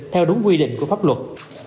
theo đúng quy định của pháp luật